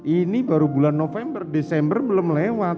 ini baru bulan november desember belum lewat